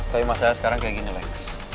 tapi masalah sekarang kayak gini lex